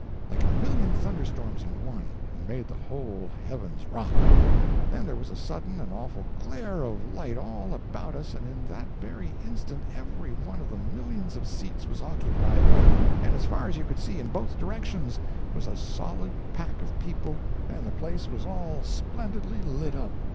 like a million thunderstorms in one, and made the whole heavens rock. Then there was a sudden and awful glare of light all about us, and in that very instant every one of the millions of seats was occupied, and as far as you could see, in both directions, was just a solid pack of people, and the place was all splendidly lit up!